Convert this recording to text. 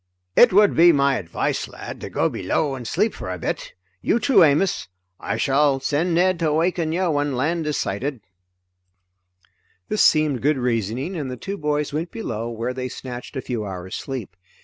"It would be my advice, lad, to go below and sleep for a bit. You too, Amos. I shall send Ned to awaken you when land is sighted." This seemed good reasoning, and the two boys went below where they snatched a few hours' sleep.